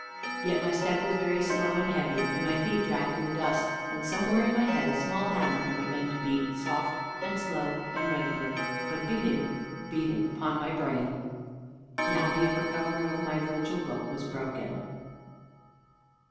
Yet my step was very slow and heavy, and my feet dragged in the dust; and, somewhere in my head, a small hammer had begun to beat, soft and slow and regular, but beating, beating upon my brain. Now the upper cover of my Virgil book was broken!